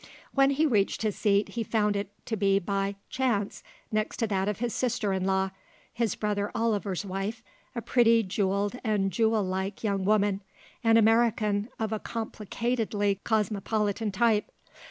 When he reached his seat he found it to be by chance next that of his sister in law, his brother Oliver's wife, a pretty, jewelled and jewel like young woman, an American of a complicatedly cosmopolitan type.